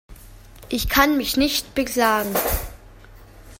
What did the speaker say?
Ich kann mich nicht beklagen.